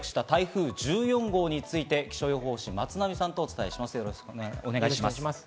昨日、九州に上陸した台風１４号について、気象予報士・松並さんとお伝えします。